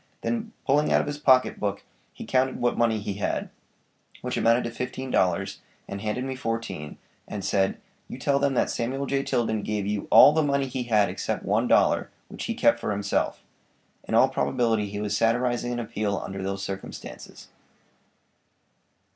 Then pulling out of his pocket book he counted what money he had, which amounted to $15, and handed me $14, and said: "You tell them that Samuel J. Tilden gave you ALL THE MONEY HE HAD EXCEPT ONE DOLLAR, WHICH HE KEPT FOR HIMSELF." In all probability he was satirizing an appeal under those circumstances.